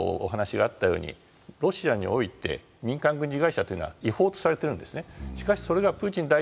そもそもロシアにおいて民間軍事会社っていうのは違法とされているんですね。